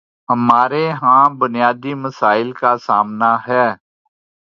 ہمارے ہاں بنیادی مسائل کا سامنا ہے۔